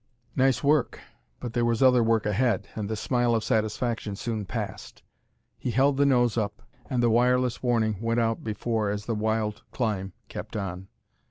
Nice work! But there was other work ahead, and the smile of satisfaction soon passed. He held the nose up, and the wireless warning went out before as the wild climb kept on.